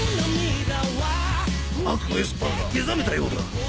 悪のエスパーが目覚めたようだ。